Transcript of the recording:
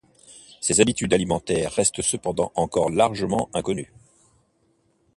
Ses habitudes alimentaires restent cependant encore largement inconnues.